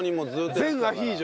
全アヒージョ。